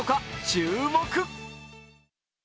注目！